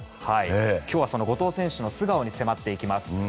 今日はその後藤選手の素顔に迫っていきます。